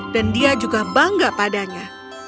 dia juga bangga padanya